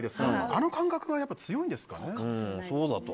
あの感覚が強いんですかね。